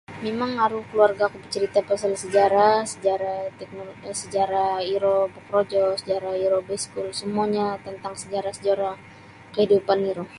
Mimang aru kaluarga'ku bacarita' pasal sejarah sejarah teknolo sejarah iro bokorojo sejarah iro baiskul samuanyo tantang sejarah-sejarah kaidupan iro.